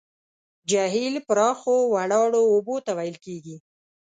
جهیل پراخو ولاړو اوبو ته ویل کیږي.